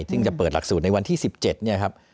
ซึ่งจะเปิดหลักสูตรในวันที่๑๗เนี่ยครับ